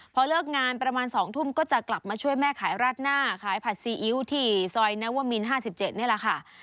พอเลิกงานประมาณ๒ทุ่มก็จะกลับมาช่วยแม่ขายราดหน้าขายผัดซีอิ๊วที่ซอยนัวมิน๕๗นี่แหละค่ะ